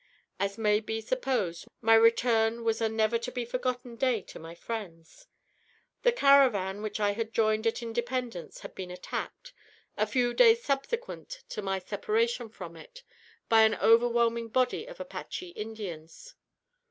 As may be supposed, my return was a never to be forgotten day to my friends. The caravan which I had joined at Independence, had been attacked, a few days subsequent to my separation from it, by an overwhelming body of Apache Indians.